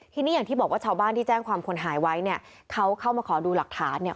ทีนี้อย่างที่บอกว่าชาวบ้านที่แจ้งความคนหายไว้เนี่ยเขาเข้ามาขอดูหลักฐานเนี่ย